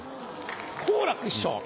好楽師匠。